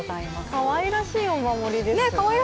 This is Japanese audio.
かわいらしいお守りですね。